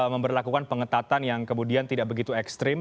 memperlakukan pengetatan yang kemudian tidak begitu ekstrim